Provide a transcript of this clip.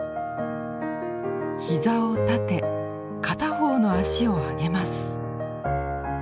膝を立て片方の脚を上げます。